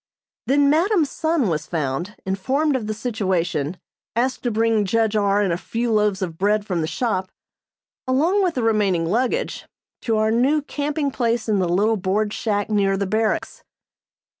Then madam's son was found, informed of the situation, asked to bring Judge R. and a few loaves of bread from the shop, along with the remaining luggage, to our new camping place in the little board shack near the barracks.